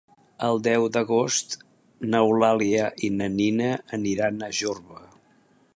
El deu d'agost n'Eulàlia i na Nina aniran a Jorba.